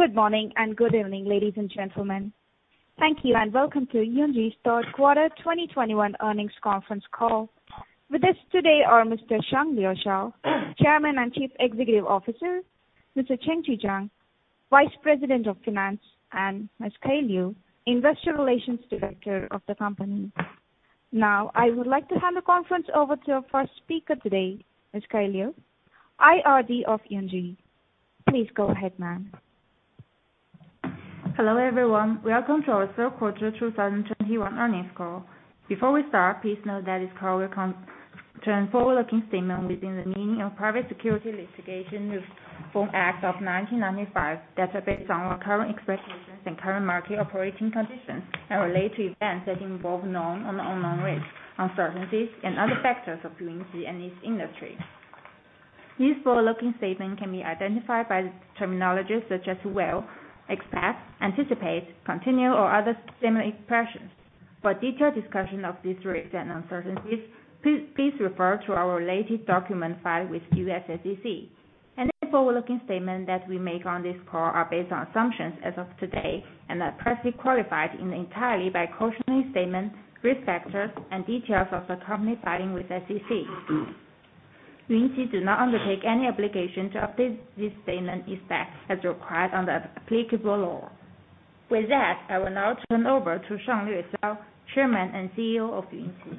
Good morning and good evening, ladies and gentlemen. Thank you and welcome to Yunji's Q3 2021 earnings conference call. With us today are Mr. Shanglue Xiao, Chairman and Chief Executive Officer, Mr. Chengqi Zhang, Vice President of Finance, and Ms. Kaye Liu, Investor Relations Director of the company. Now I would like to hand the conference over to our first speaker today, Ms. Kaye Liu, IRD of Yunji. Please go ahead, ma'am. Hello, everyone. Welcome to our Q3 2021 earnings call. Before we start, please note that this call will contain forward-looking statement within the meaning of Private Securities Litigation Reform Act of 1995, that are based on our current expectations and current market operating conditions, and relate to events that involve known and unknown risks, uncertainties and other factors affecting Yunji and its industry. These forward-looking statement can be identified by terminologies such as will, expect, anticipate, continue or other similar expressions. For detailed discussion of these risks and uncertainties, please refer to our related document filed with U.S. SEC. Any forward-looking statement that we make on this call are based on assumptions as of today and are expressly qualified in entirely by cautionary statements, risk factors, and details of the company filing with SEC. Yunji do not undertake any obligation to update this statement in effect as required under applicable law. With that, I will now turn over to Shanglue Xiao, Chairman and CEO of Yunji.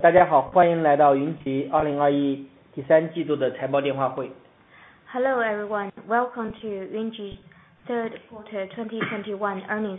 大家好，欢迎来到云集二零二一第三季度的财报电话会。Hello, everyone. Welcome to Yunji Q3 2021 earnings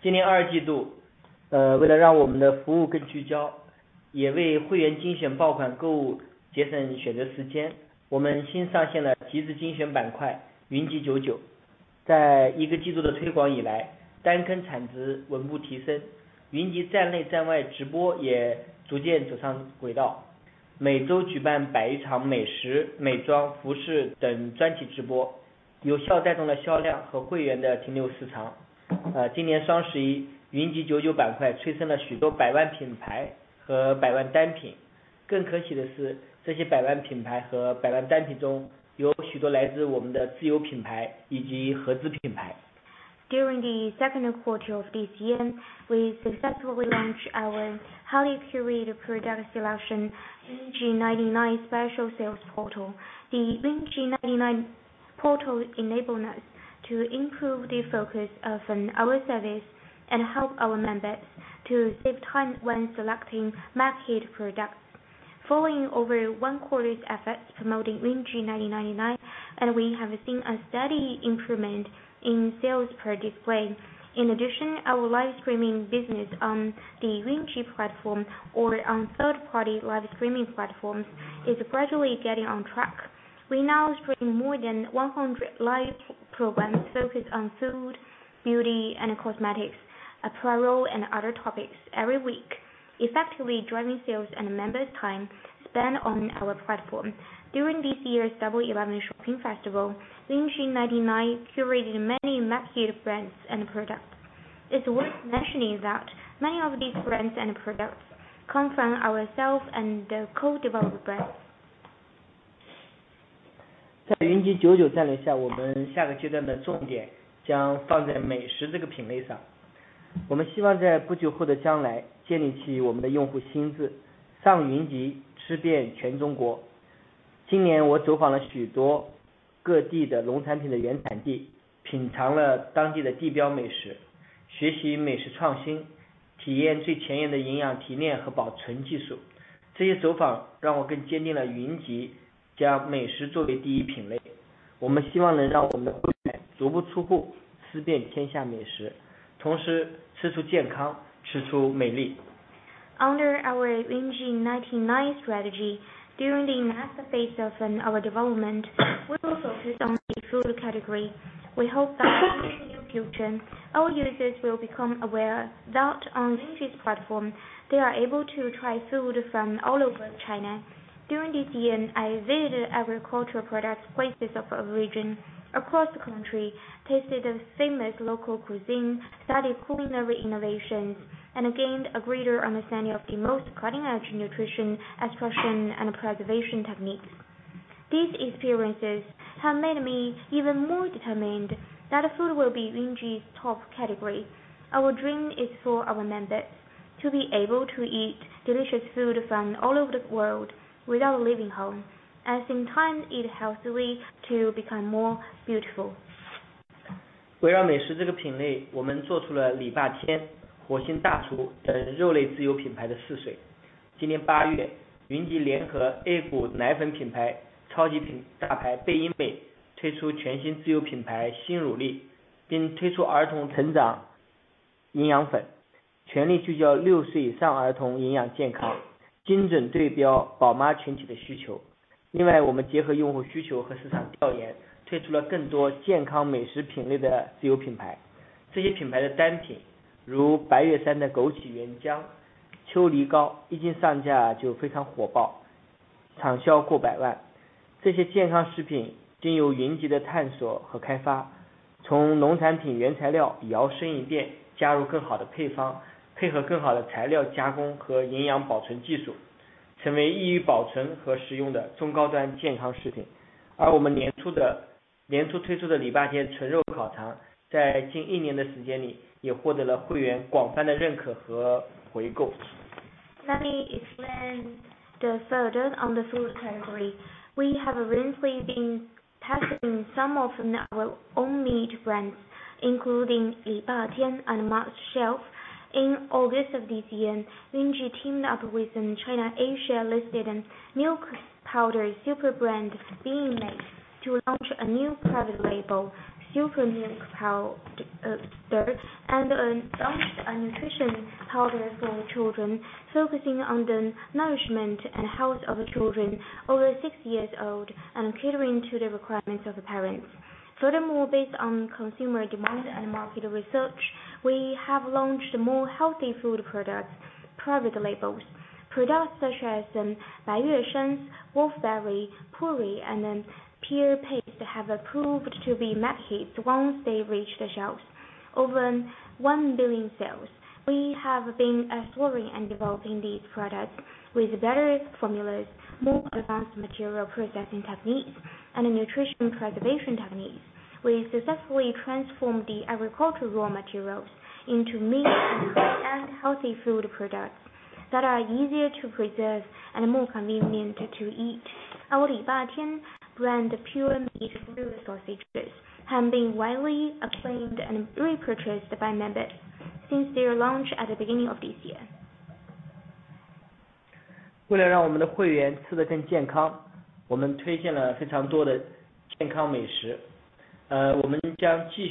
call. 今年二季度，为了让我们的服务更聚焦，也为会员精选爆款购物节省选择时间，我们新上线了极致精选板块云集99。在一个季度的推广以来，单坑产值稳步提升，云集站内站外直播也逐渐走上轨道。每周举办百余场美食、美妆、服饰等专题直播，有效带动了销量和会员的停留时长。今年双十一，云集99板块催生了许多百万品牌和百万单品。更可喜的是，这些百万品牌和百万单品中，有许多来自我们的自有品牌以及合资品牌。During the Q2 of this year, we successfully launched our highly curated product selection Yunji 99 special sales portal. The Yunji 99 portal enable us to improve the focus of our service and help our members to save time when selecting market products. Following over one quarter's efforts promoting Yunji 99, we have seen a steady improvement in sales per display. In addition, our live streaming business on the Yunji platform or on third party live streaming platforms is gradually getting on track. We now stream more than 100 live programs focused on food, beauty and cosmetics, apparel, and other topics every week, effectively driving sales and members time spent on our platform. During this year's Double Eleven Shopping Festival, Yunji 99 curated many market brands and products. It's worth mentioning that many of these brands and products come from ourselves and the co-developed brands. Under our Yunji 99 strategy, during the next phase of our development, we will focus on the food category. We hope that in the near future, our users will become aware that on Yunji's platform, they are able to try food from all over China. During this year, I visited agricultural products, places of origin across the country, tasted the famous local cuisine, studied culinary innovations, and gained a greater understanding of the most cutting edge nutrition, extraction, and preservation techniques. These experiences have made me even more determined that food will be Yunji's top category. Our dream is for our members to be able to eat delicious food from all over the world without leaving home, and sometimes eat healthily to become more beautiful. Let me explain further on the food category. We have recently been testing some of our own meat brands, including Li Ba Tian and Mars Chef. In August of this year, Yunji teamed up with Chinese A-share listed milk powder super brand Beingmate to launch a new private label super milk powder, and launched a nutrition powder for children focusing on the nourishment and health of children over six years old and catering to the requirements of parents. Furthermore, based on consumer demand and market research, we have launched more healthy food products, private labels. Products such as Baiyueshan, Wolfberry Puree, and Pear Paste have proved to be megahits once they reach the shelves, over 1 billion in sales. We have been exploring and developing these products with better formulas, more advanced material processing techniques, and nutrition preservation techniques. We successfully transform the agricultural raw materials into meat and healthy food products that are easier to preserve and more convenient to eat. Our 礼拜天 brand pure meat fruit sausages have been widely acclaimed and repurchased by members since their launch at the beginning of this year. 为了让我们的会员吃得更健康，我们推荐了非常多的健康美食。我们将继续坚持自有品牌的矩阵建设，主要围绕美食、健康和护肤美妆这三个品类，以及服饰、家居日用等，满足用户多样化的需求。Promoting healthy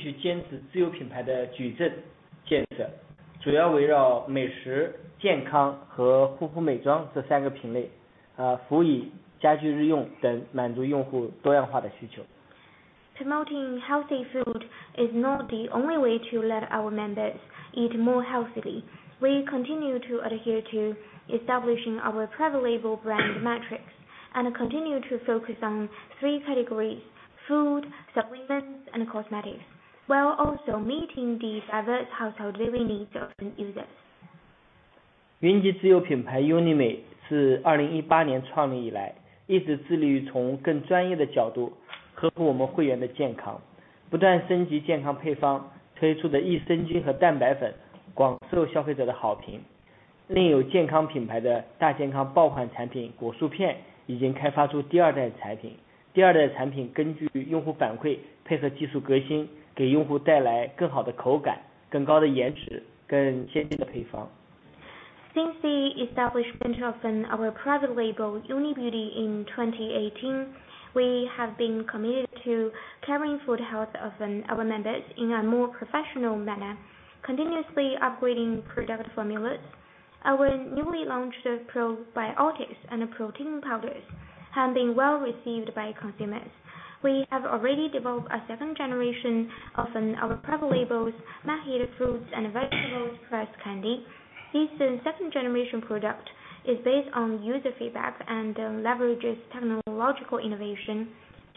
food is not the only way to let our members eat more healthily. We continue to adhere to establishing our private label brand matrix, and continue to focus on three categories, food, supplements, and cosmetics, while also meeting the diverse household living needs of users. 云集自有品牌云集美自2018年创立以来，一直致力于从更专业的角度呵护我们会员的健康，不断升级健康配方。推出的益生菌和蛋白粉广受消费者的好评。另有健康品牌的大健康爆款产品果蔬片已经开发出第二代产品。第二代产品根据用户反馈，配合技术革新，给用户带来更好的口感，更高的颜值，更先进的配方。Since the establishment of our private label Yunji Beauty in 2018, we have been committed to caring for the health of our members in a more professional manner, continuously upgrading product formulas. Our newly launched probiotics and protein powders have been well received by consumers. We have already developed a second generation of our private labels, megahit fruits and vegetables plus candy. This second generation product is based on user feedback and leverages technological innovation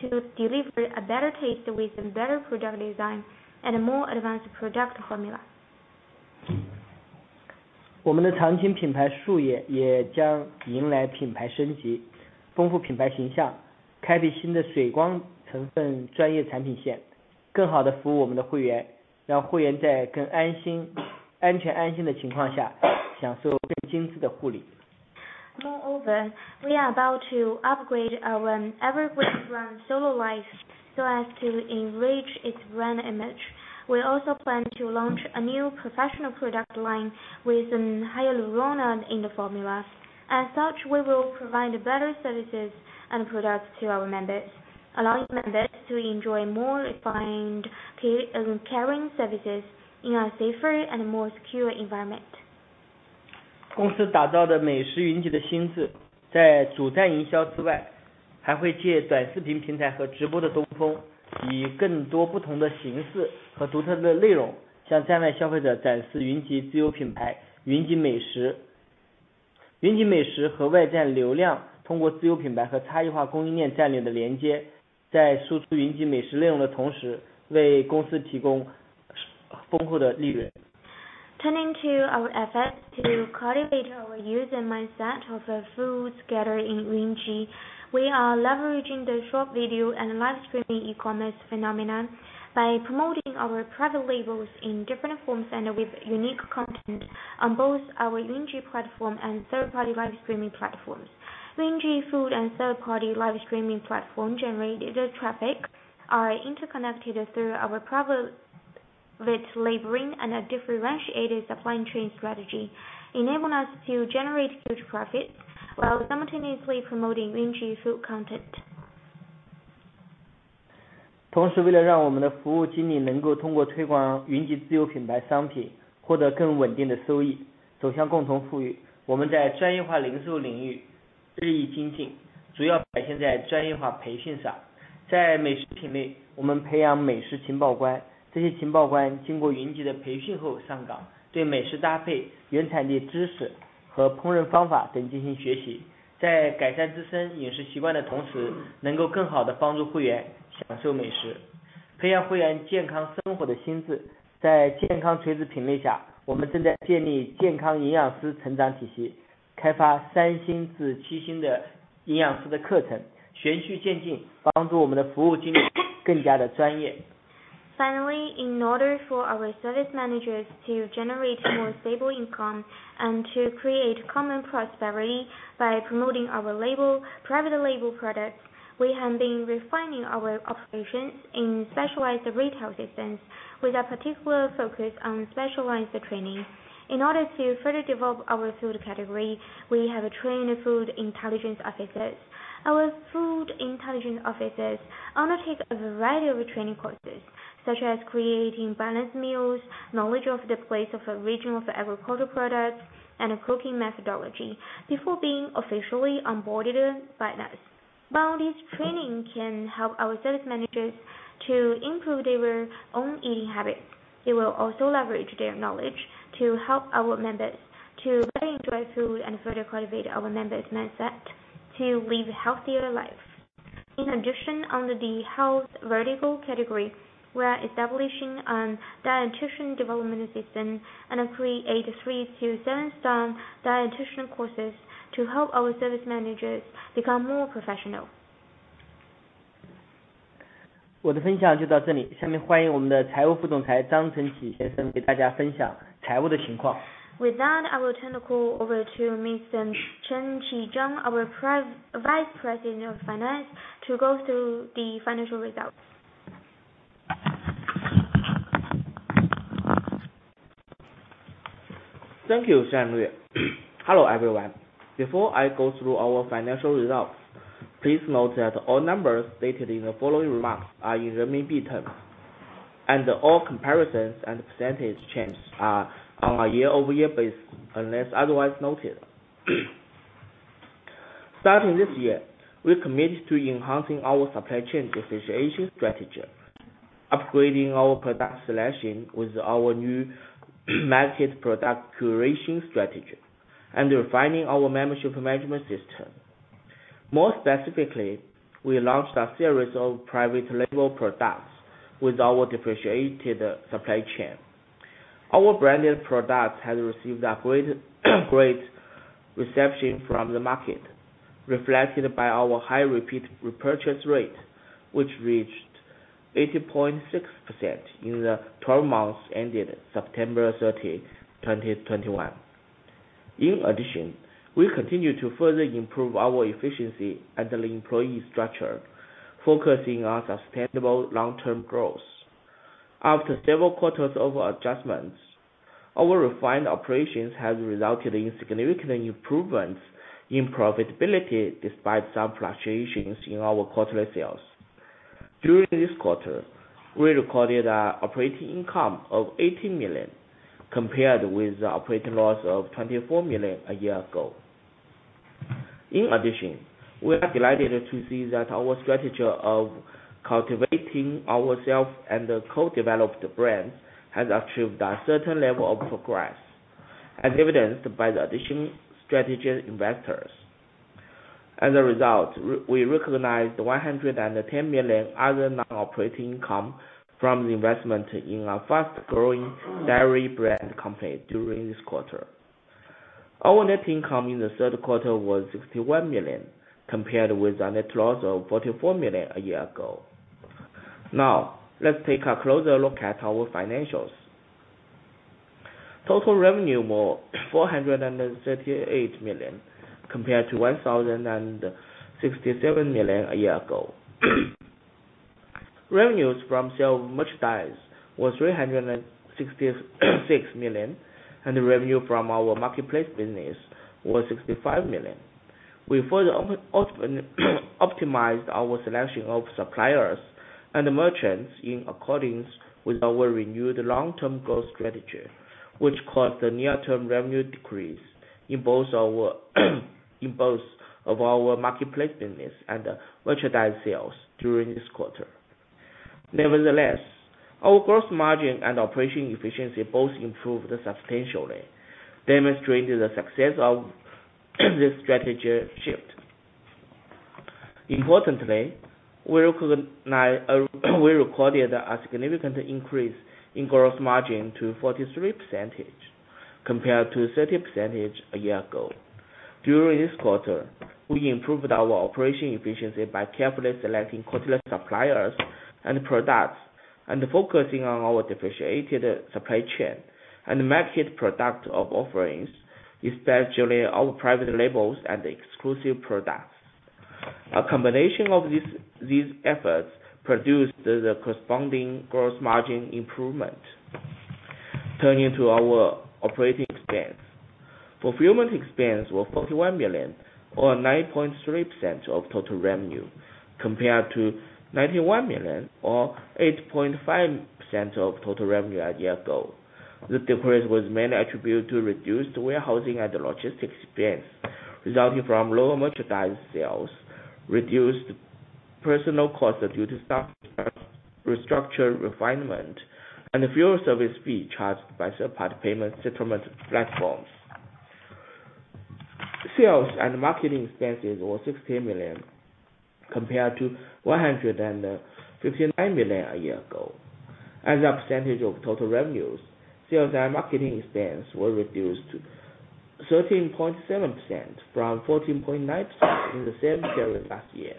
to deliver a better taste with better product design and a more advanced product formula. 我们的场景品牌SUYE也将迎来品牌升级，丰富品牌形象，开辟新的水光成分专业产品线，更好地服务我们的会员，让会员在更安心、安全安心的情况下享受更精致的护理。Moreover, we are about to upgrade our evergreen brand Solo Life so as to enrich its brand image. We also plan to launch a new professional product line with hyaluronic in the formula. As such, we will provide better services and products to our members, allowing members to enjoy more refined care and caring services in a safer and more secure environment. 公司打造的美食云集的新姿，在主站营销之外，还会借短视频平台和直播的东风，以更多不同的形式和独特的内容，向站外消费者展示云集自有品牌云集美食。云集美食和外站流量通过自有品牌和差异化供应链战略的连接，在输出云集美食内容的同时，为公司提供丰厚的利润。Turning to our efforts to cultivate our user mindset of food gathered in Yunji. We are leveraging the short video and live streaming e-commerce phenomenon by promoting our private labels in different forms and with unique content on both our Yunji platform and third party live streaming platforms. Yunji food and third party live streaming platform generated traffic are interconnected through our private labeling and a differentiated supply chain strategy enabling us to generate huge profits while simultaneously promoting Yunji food content. Finally, in order for our service managers to generate more stable income and to create common prosperity by promoting our private label products, we have been refining our operations in specialized retail systems with a particular focus on specialized training. In order to further develop our food category, we have trained food intelligence officers. Our food intelligence officers undertake a variety of training courses, such as creating balanced meals, knowledge of the place of origin of agricultural products and cooking methodology before being officially onboarded by us. While this training can help our service managers to improve their own eating habits, they will also leverage their knowledge to help our members to better enjoy food and further cultivate our members' mindset to live healthier lives. In addition, under the health vertical category, we are establishing a dietitian development system and create a 3-7-star dietitian courses to help our service managers become more professional. 我的分享就到这里。下面欢迎我们的财务副总裁张晨启先生给大家分享财务的情况。With that, I will turn the call over to Mr. Chengqi Zhang, our Vice President of Finance, to go through the financial results. Thank you, Shanglue. Hello everyone. Before I go through our financial results, please note that all numbers stated in the following remarks are in RMB terms, and all comparisons and percentage changes are on a year-over-year basis unless otherwise noted. Starting this year, we are committed to enhancing our supply chain differentiation strategy, upgrading our product selection with our new market product curation strategy, and refining our membership management system. More specifically, we launched a series of private label products with our differentiated supply chain. Our branded products have received a great reception from the market, reflected by our high repeat repurchase rate, which reached 80.6% in the twelve months ended September 30, 2021. In addition, we continue to further improve our efficiency and employee structure, focusing on sustainable long-term growth. After several quarters of adjustments, our refined operations have resulted in significant improvements in profitability despite some fluctuations in our quarterly sales. During this quarter, we recorded an operating income of 80 million compared with the operating loss of 24 million a year ago. In addition, we are delighted to see that our strategy of cultivating ourselves and the co-developed brand has achieved a certain level of progress, as evidenced by the addition of strategic investors. As a result, we recognized 110 million other non-operating income from the investment in a fast-growing dairy brand company during this quarter. Our net income in the Q3 was 61 million, compared with a net loss of 44 million a year ago. Now, let's take a closer look at our financials. Total revenue 438 million compared to 1,067 million a year ago. Revenues from sale of merchandise was 366 million, and revenue from our marketplace business was 65 million. We further optimized our selection of suppliers and merchants in accordance with our renewed long-term growth strategy, which caused a near-term revenue decrease in both of our marketplace business and merchandise sales during this quarter. Nevertheless, our gross margin and operating efficiency both improved substantially, demonstrating the success of this strategy shift. Importantly, we recorded a significant increase in gross margin to 43%, compared to 30% a year ago. During this quarter, we improved our operating efficiency by carefully selecting quality suppliers and products and focusing on our differentiated supply chain and marketplace product offerings, especially our private labels and exclusive products. A combination of these efforts produced the corresponding gross margin improvement. Turning to our operating expense. Fulfillment expense was 41 million, or 9.3% of total revenue, compared to 91 million or 8.5% of total revenue a year ago. The decrease was mainly attributed to reduced warehousing and logistics expense resulting from lower merchandise sales, reduced personal costs due to staff restructure refinement, and the fewer service fee charged by third-party payment settlement platforms. Sales and marketing expenses were 60 million compared to 159 million a year ago. As a percentage of total revenues, sales and marketing expense were reduced to 13.7% from 14.9% in the same period last year.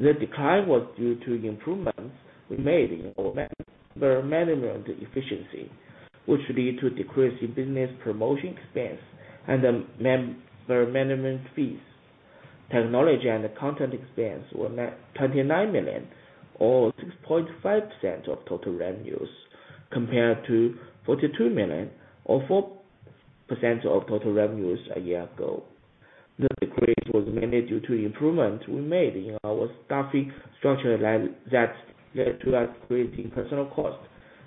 The decline was due to improvements we made in our member management efficiency, which lead to decrease in business promotion expense and member management fees. Technology and content expenses were 29 million or 6.5% of total revenues, compared to 42 million or 4% of total revenues a year ago. The decrease was mainly due to improvements we made in our staffing structure that led to a decrease in personnel costs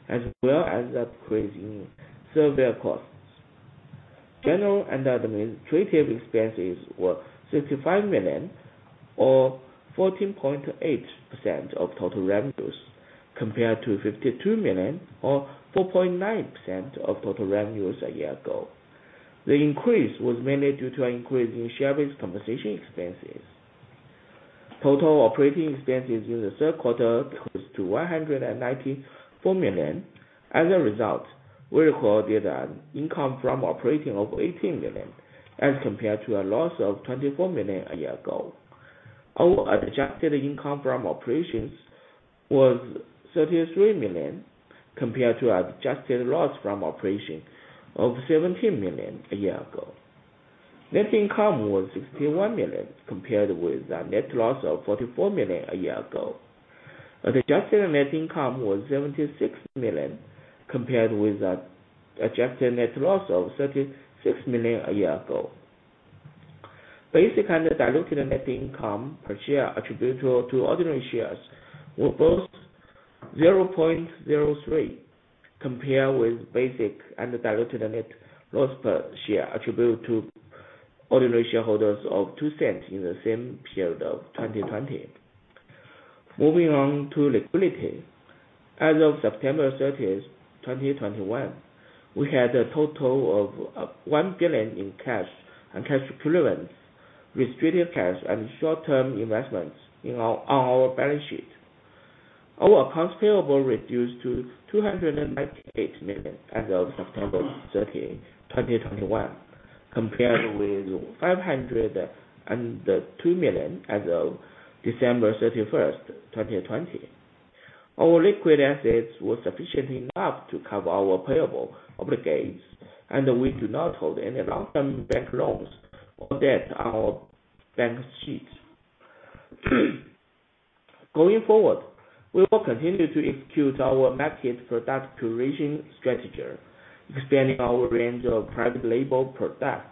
as well as a decrease in server costs. General and administrative expenses were 65 million or 14.8% of total revenues, compared to 52 million or 4.9% of total revenues a year ago. The increase was mainly due to an increase in share-based compensation expenses. Total operating expenses in the Q3 equal 194 million. As a result, we recorded an income from operations of 18 million, as compared to a loss of 24 million a year ago. Our adjusted income from operations was 33 million, compared to adjusted loss from operations of 17 million a year ago. Net income was 61 million, compared with a net loss of 44 million a year ago. Adjusted net income was 76 million, compared with an adjusted net loss of 36 million a year ago. Basic and diluted net income per share attributable to ordinary shares were both $0.03, compared with basic and diluted net loss per share attributable to ordinary shareholders of $0.02 in the same period of 2020. Moving on to liquidity. As of September 30, 2021, we had a total of 1 billion in cash and cash equivalents, restricted cash and short-term investments on our balance sheet. Our accounts payable reduced to 298 million as of September 30, 2021, compared with 502 million as of December 31, 2020. Our liquid assets were sufficient enough to cover our payable obligations, and we do not hold any long-term bank loans or debt on our balance sheet. Going forward, we will continue to execute our market product curation strategy, expanding our range of private label products,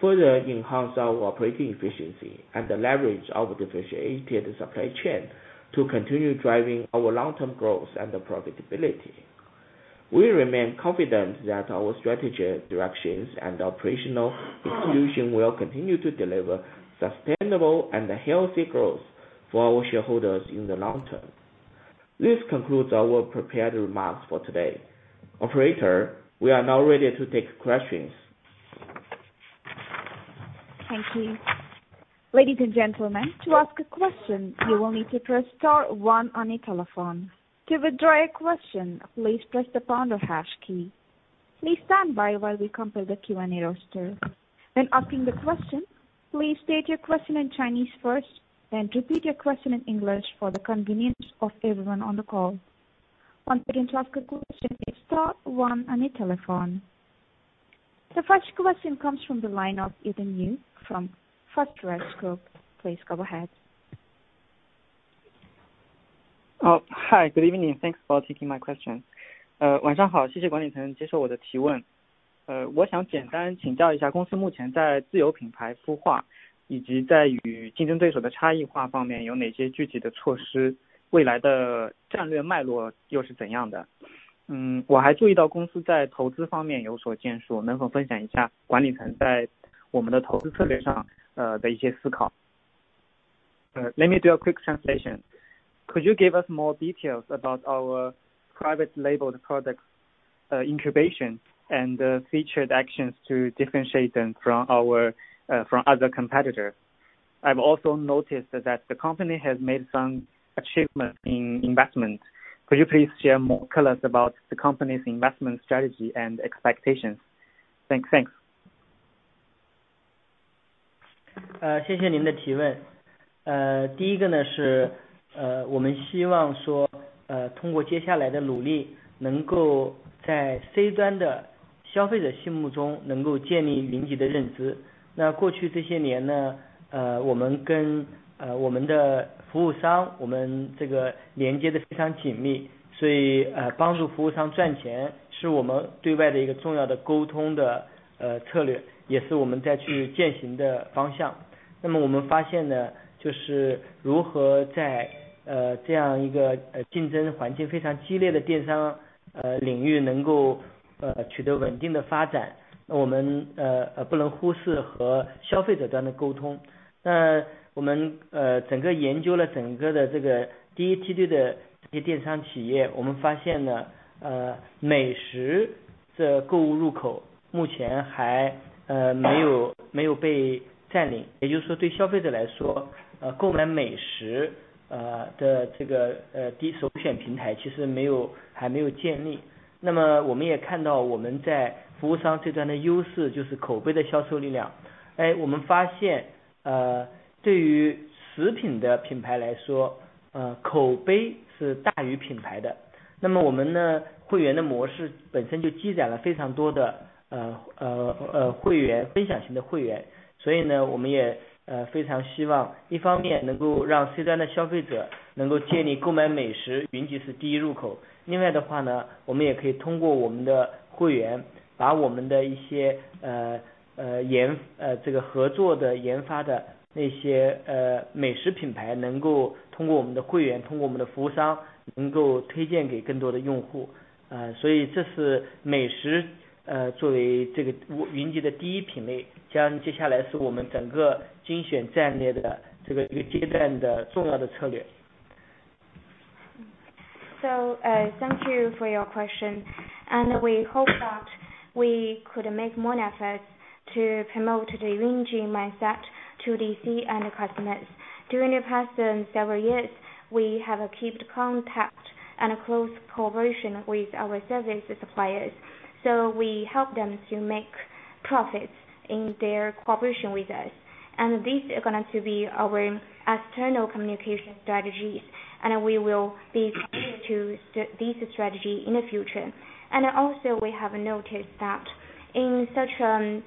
further enhance our operating efficiency and the leverage of differentiated supply chain to continue driving our long-term growth and profitability. We remain confident that our strategy, directions and operational execution will continue to deliver sustainable and healthy growth for our shareholders in the long term. This concludes our prepared remarks for today. Operator, we are now ready to take questions. Thank you. Ladies and gentlemen, to ask a question, you will need to press star one on your telephone. To withdraw your question, please press the pound or hash key. Please stand by while we compile the Q&A roster. When asking the question, please state your question in Chinese first, then repeat your question in English for the convenience of everyone on the call. Once again, to ask a question, please star one on your telephone. The first question comes from the line of Ethan Yu from First Trust. Please go ahead. Good evening. Thanks for taking my question. 晚上好，谢谢管理层接受我的提问。我想简单请教一下，公司目前在自有品牌孵化以及在与竞争对手的差异化方面有哪些具体的措施，未来的战略脉络又是怎样的？我还注意到公司在投资方面有所建树，能否分享一下管理层在我们的投资策略上的一些思考。Let me do a quick translation. Could you give us more details about our private label products, incubation and featured actions to differentiate them from our from other competitors? I've also noticed that the company has made some achievements in investments. Could you please share more color about the company's investment strategy and expectations? Thanks. Thank you for your question and we hope that we could make more efforts to promote the Yunji mindset to the C-end customers. During the past several years, we have kept contact and close cooperation with our service suppliers, so we help them to make profits in their cooperation with us, and these are going to be our external communication strategies, and we will be committed to this strategy in the future. We have noticed that in such a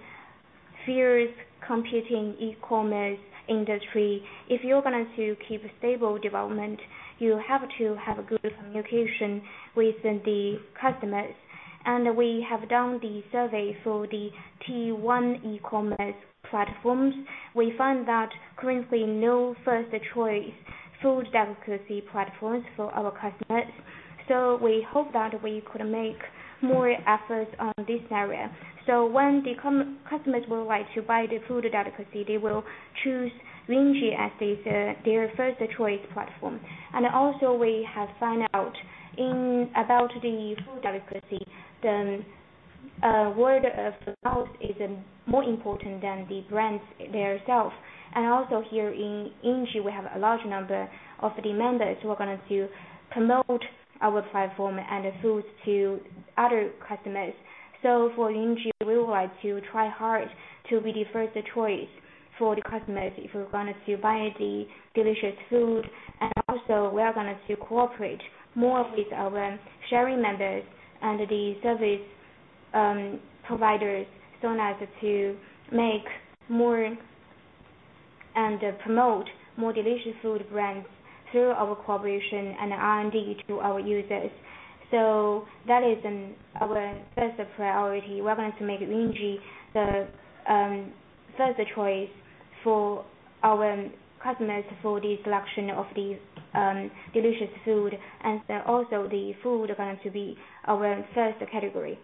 fierce competing e-commerce industry, if you're going to keep stable development, you have to have a good communication with the customers. We have done the survey for the T1 e-commerce platforms. We find that currently there is no first choice food delicacy platform for our customers, so we hope that we could make more efforts on this area. When customers would like to buy the food delicacy, they will choose Yunji as their first choice platform. We have found out about the food delicacy, word of mouth is more important than the brands themselves. Here in Yunji, we have a large number of the members who are going to promote our platform and the foods to other customers. For Yunji, we would like to try hard to be the first choice for the customers if we're going to buy the delicious food. We are going to cooperate more with our sharing members and the service providers so as to make more and promote more delicious food brands through our cooperation and R&D to our users. That is our first priority. We're going to make Yunji the first choice for our customers for the selection of these delicious food. The food is going to be our first category.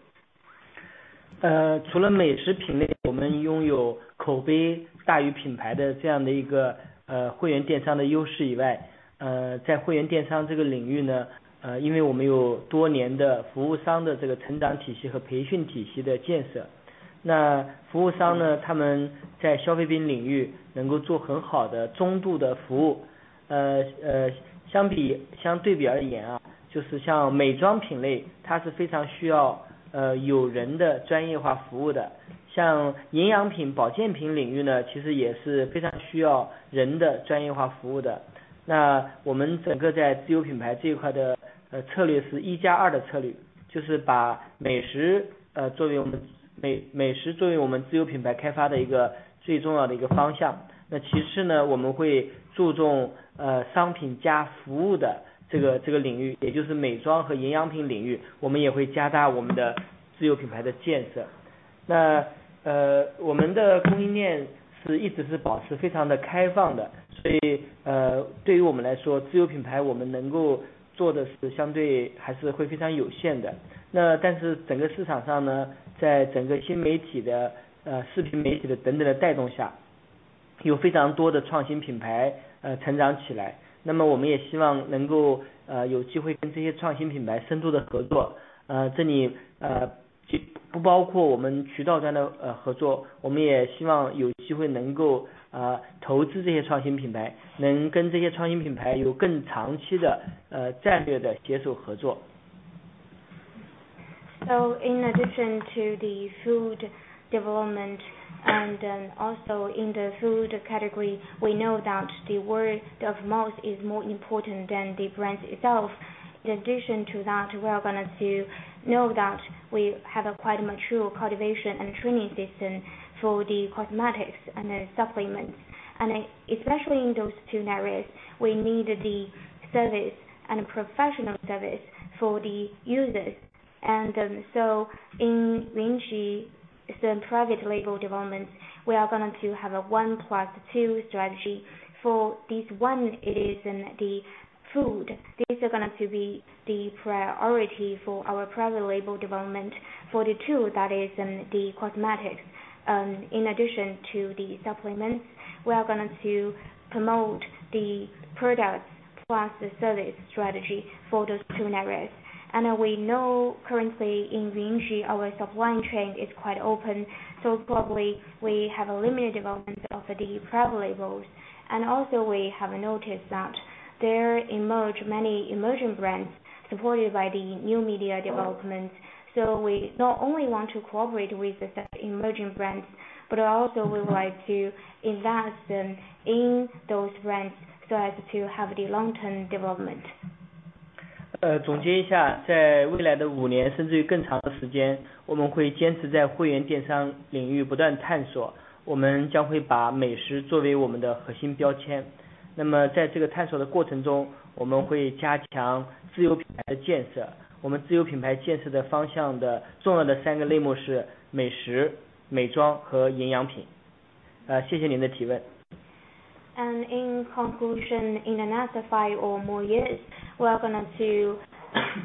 In addition to the food development and also in the food category, we know that the word of mouth is more important than the brands itself. In addition to that, we are going to know that we have a quite mature cultivation and training system for the cosmetics and supplements, and especially in those two areas we need the service and professional service for the users. In Yunji, it's the private label development, we are going to have a one plus two strategy. For this one, it is in the food. These are going to be the priority for our private label development. For the two, that is in the cosmetics, in addition to the supplements, we are going to promote the product plus the service strategy for those two narratives. We know currently in Yunji, our supply chain is quite open, so probably we have a limited development of the private labels. Also we have noticed that there emerge many emerging brands supported by the new media developments. We not only want to cooperate with the emerging brands, but also we would like to invest in those brands so as to have the long-term development. Uh, In conclusion, in another five or more years, we are gonna to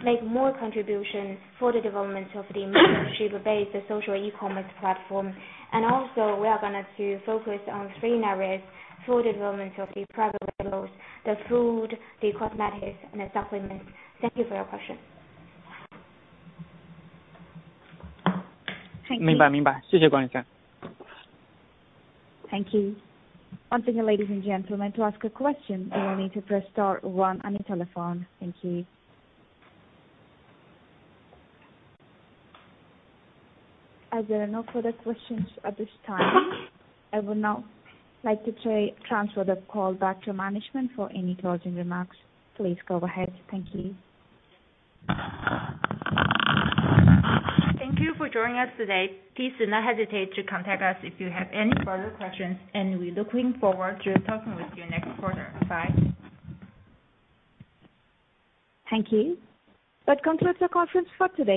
make more contributions for the development of the membership-based social e-commerce platform. We are gonna to make more contributions for the development of the private labels, the food, the cosmetics and the supplements. Thank you for your question. Thank you. Thank you. Once again, ladies and gentlemen, to ask a question, you will need to press star one on your telephone. Thank you. As there are no further questions at this time, I would now like to transfer the call back to management for any closing remarks. Please go ahead. Thank you. Thank you for joining us today. Please do not hesitate to contact us if you have any further questions, and we're looking forward to talking with you next quarter. Bye. Thank you. That concludes the conference for today.